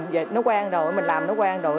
dệt nó quen rồi mình làm nó quen rồi